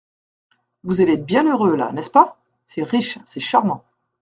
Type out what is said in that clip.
Vous allez être bien heureux, là, n'est-ce pas ? C'est riche, c'est charmant.